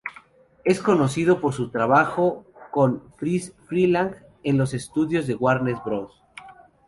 Es conocido por su trabajo con Friz Freleng, en los estudios de Warner Bros.